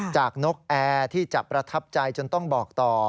นกแอร์ที่จะประทับใจจนต้องบอกต่อ